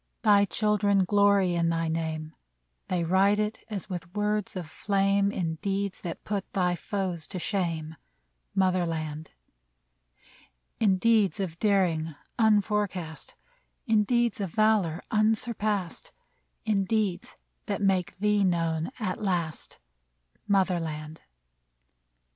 Thy children glory in thy name ; They write it, as with words of flame, In deeds that put thy foes to shame, • Mother land ! 159 AMERICA In deeds of daring unforecast, In deeds of valor unsurpassed, In deeds that make thee known at last, Mother land